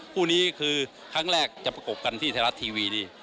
คู่นี้คือครั้งแรกจะประกบกันที่ไทยรัฐทีวีนี่